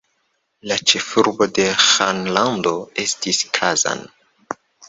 La ĉefurbo de la ĥanlando estis Kazan.